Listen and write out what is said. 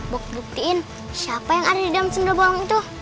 buat buktiin siapa yang ada di dalam sundel bolong itu